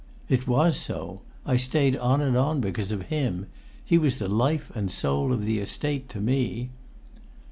"It was so! I stayed on and on because of him. He was the life and soul of the Estate to me."